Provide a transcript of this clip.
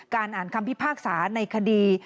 อ่านคำพิพากษาในคดี